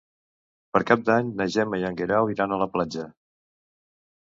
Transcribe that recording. Per Cap d'Any na Gemma i en Guerau iran a la platja.